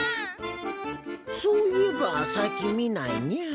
そういえば最近見ないにゃあ。